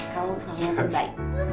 kamu selalu baik